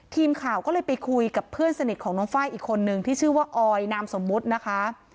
ทีมข่าวก็เลยไปคุยกับเพื่อนสนิทของน้องไฟล์อีกคนนึงที่ชื่อว่าออยนามสมมุตินะคะ